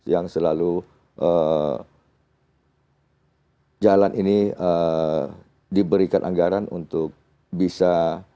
yang selalu jalan ini diberikan anggaran untuk bisa